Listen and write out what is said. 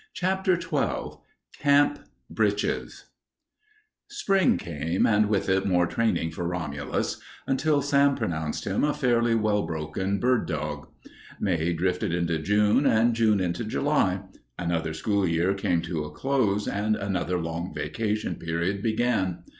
CHAPTER XII CAMP BRITCHES Spring came, and with it more training for Romulus, until Sam pronounced him a fairly well broken bird dog. May drifted into June and June into July. Another school year came to a close and another long vacation period began.